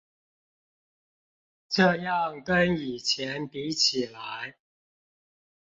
這樣跟以前比起來